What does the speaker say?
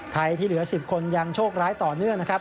ที่เหลือ๑๐คนยังโชคร้ายต่อเนื่องนะครับ